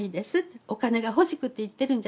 お金が欲しくて言ってるんじゃないです。